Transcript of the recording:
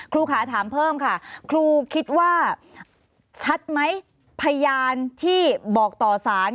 ครูขาถามเพิ่มค่ะครูคิดว่าชัดไหมพยานที่บอกต่อสาร